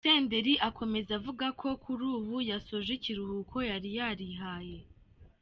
Senderi akomeza avuga ko kuri ubu, yasoje ikiruhuko yari yarihaye.